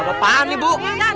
bu apaan nih bu